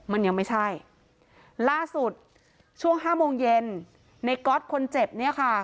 มันยังไม่ใช่ล่าสุดช่วงห้าโมงเย็นในก๊อตคนเจ็บเนี่ยค่ะ